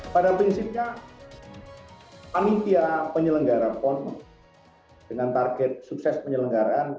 pada prinsipnya panitia penyelenggara pon dengan target sukses penyelenggaraan